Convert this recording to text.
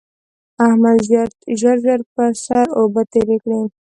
احمد ژر ژر پر سر اوبه تېرې کړې.